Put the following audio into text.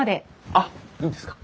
あっいいんですか？